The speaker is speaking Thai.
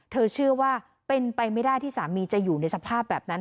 เชื่อว่าเป็นไปไม่ได้ที่สามีจะอยู่ในสภาพแบบนั้น